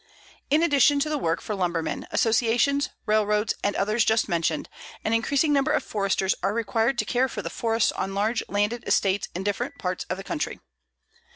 In addition to the work for lumbermen, associations, railroads, and others just mentioned, an increasing number of Foresters are required to care for the forests on large landed estates in different parts of the country.